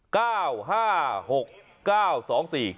เก้าห้าหกเก้าสองสี่